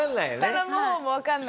頼む方もわかんないんだ。